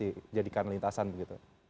dijadikan lintasan begitu